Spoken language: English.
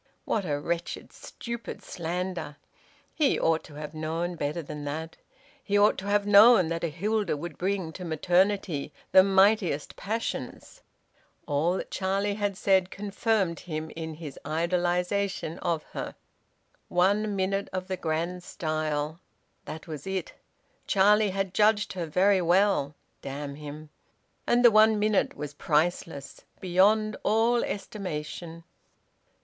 What a wretched, stupid slander! He ought to have known better than that. He ought to have known that a Hilda would bring to maternity the mightiest passions. All that Charlie had said confirmed him in his idolisation of her. `One minute of the grand style.' That was it. Charlie had judged her very well damn him! And the one minute was priceless, beyond all estimation.